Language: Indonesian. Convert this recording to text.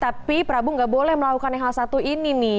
tapi prabu nggak boleh melakukan hal satu ini nih